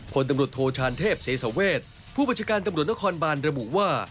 คนตำรวจโทชานเทพเสสเวทผู้บัญชาการตำรวจนครบานระบุว่า